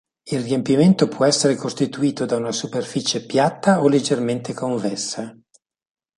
Il riempimento può essere costituito da una superficie piatta o leggermente convessa.